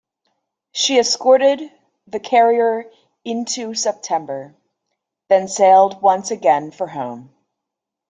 She escorted the carrier into September, then sailed once again for home.